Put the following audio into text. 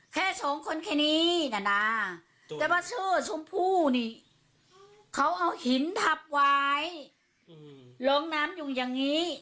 แค่สองคนแค่นี้นะแต่ว่าชื่อชมพู่นี่เขาเอาหินทับไว้ร้องน้ำอยู่อย่างนี้